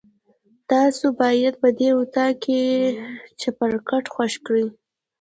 تاسو باید په دې اطاق کې چپرکټ خوښ کړئ.